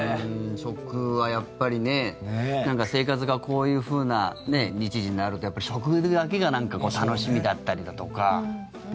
食はやっぱり生活がこういうふうな日時になると食だけが楽しみだったりだとか。